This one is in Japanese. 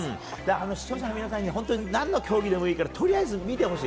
視聴者の皆さん何の競技でもいいからとりあえず見てほしい。